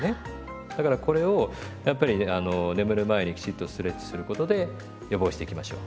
だからこれをやっぱり眠る前にきちっとストレッチすることで予防していきましょう。